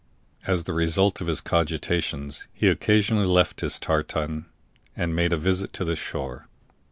As the result of his cogitations, he occasionally left his tartan and made a visit to the shore.